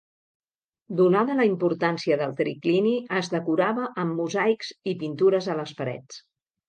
Donada la importància del triclini, es decorava amb mosaics i pintures a les parets.